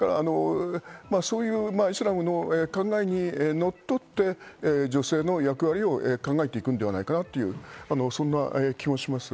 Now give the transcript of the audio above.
そういうイスラムの考え方に則って、女性の役割を考えていくんではないかなと、そんな気もします。